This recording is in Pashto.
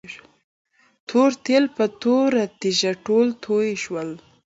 تور تیل په توره تيږه ټول توي شول.